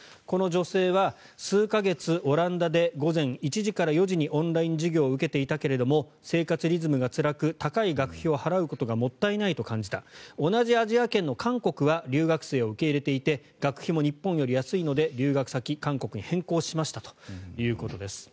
この女性は数か月オランダで午前１時から４時にオンライン授業を受けていたけれども生活リズムがつらく高い学費を払うことがもったいないと感じた同じアジア圏の韓国は留学生を受け入れていて学費も日本より安いので留学先を韓国に変更しましたということです。